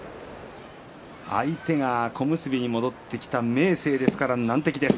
相手は小結に戻ってきた明生です、難敵です。